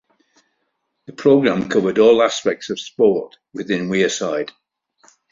The programme covered all aspects of sport within Wearside.